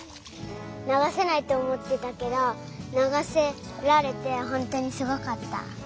ながせないっておもってたけどながせられてほんとにすごかった。